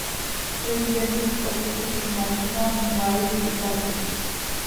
პრეზიდენტის პოსტი კი შეინარჩუნა მვაი კიბაკიმ.